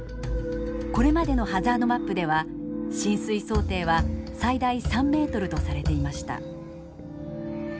これまでのハザードマップでは浸水想定は最大３ｍとされていました。